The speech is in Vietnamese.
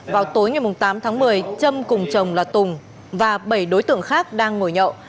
vào tối ngày tám tháng một mươi trâm cùng chồng là tùng và bảy đối tượng khác đang ngồi nhậu